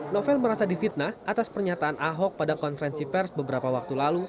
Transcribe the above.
novel merasa difitnah atas pernyataan ahok pada konferensi pers beberapa waktu lalu